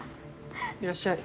いらっしゃい。